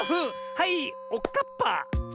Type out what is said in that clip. はいおっかっぱ！